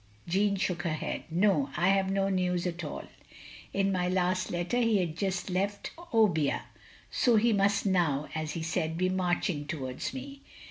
Jeanne shook her head. " No, I have no news at all. In my last letter he had jtist left Obbia ; so he must now, as he said, be marching towards me."